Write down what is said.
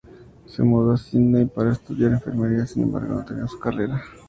Se mudó a Sídney para estudiar enfermería; sin embargo, no terminó su carrera.